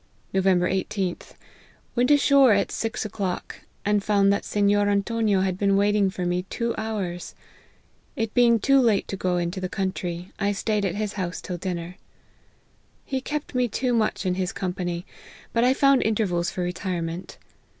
"Nov. 18th. Went ashore at six o'clock, and found that Sennor Antonio had been waiting for me two hours. It being too late to go into the country, I staid at his house till dinner. He kept me too much in his company, but 1 found intervals for re tirement.